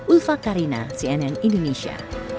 ulfa karina cnn indonesia